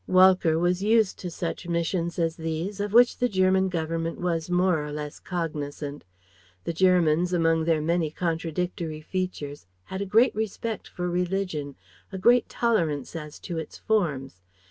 Walcker was used to such missions as these, of which the German Government was more or less cognizant. The Germans, among their many contradictory features, had a great respect for religion, a great tolerance as to its forms.